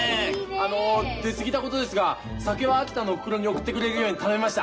あの出過ぎたことですが酒は秋田のおふくろに送ってくれるように頼みました。